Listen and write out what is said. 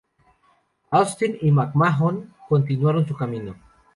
Austin y McMahon continuaron su camino.